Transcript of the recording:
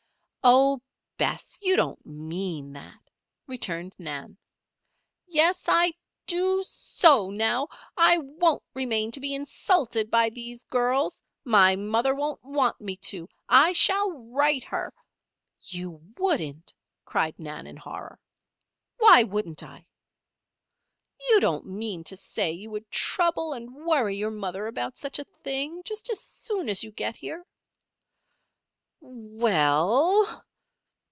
"Oh, pshaw, Bess! you don't mean that," returned Nan. "Yes, I do so now! I won't remain to be insulted by these girls! My mother won't want me to. I shall write her " "You wouldn't?" cried Nan, in horror. "Why wouldn't I?" "You don't mean to say you would trouble and worry your mother about such a thing, just as soon as you get here?" "We ell!"